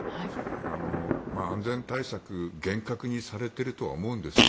安全対策厳格にされていると思うんです。